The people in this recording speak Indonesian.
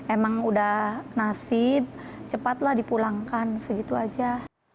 emang udah nasib cepatlah dipulangkan segitu aja